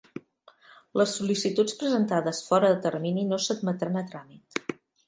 Les sol·licituds presentades fora de termini no s'admetran a tràmit.